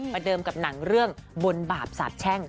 เดิมกับหนังเรื่องบนบาปสาบแช่ง